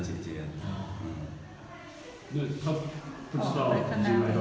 เจ้าเจ้าเจ้าเจ้า